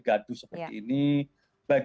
karena kami sebenarnya tidak ingin ini terus berlaku